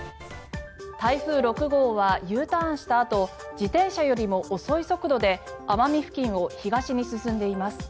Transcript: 台風６号はＵターンしたあと自転車よりも遅い速度で奄美付近を東に進んでいます。